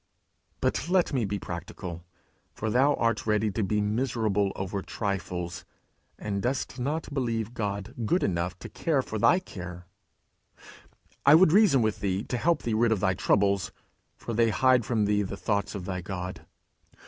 But let me be practical; for thou art ready to be miserable over trifles, and dost not believe God good enough to care for thy care: I would reason with thee to help thee rid of thy troubles, for they hide from thee the thoughts of thy God.